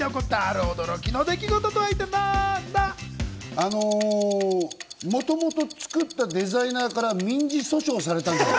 あの、元々作ったデザイナーから民事訴訟された。